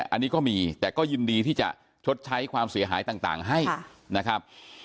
อันนี้ก็มีแต่ก็ยินดีที่จะชดใช้ความเสียหายต่างให้นะครับ